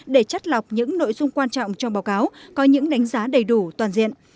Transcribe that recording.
để chắt lọc những nội dung quan trọng trong báo cáo có những đánh giá đầy đủ toàn diện